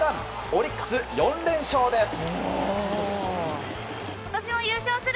オリックス、４連勝です。